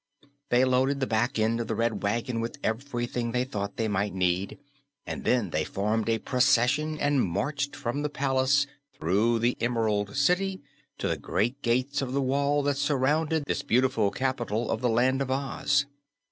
They loaded the back end of the Red Wagon with everything they thought they might need, and then they formed a procession and marched from the palace through the Emerald City to the great gates of the wall that surrounded this beautiful capital of the Land of Oz.